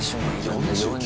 ４９。